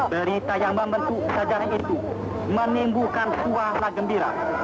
berita yang membentuk kesadaran itu menimbulkan suara gembira